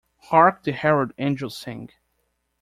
Hark the Herald Angels sing.